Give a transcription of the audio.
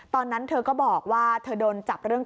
ตอนนั้นเธอก็บอกว่าเธอโดนจับเรื่อง